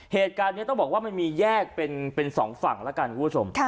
เหตุการณ์นี้ต้องบอกว่ามันมีแยกเป็นสองฝั่งแล้วกันคุณผู้ชม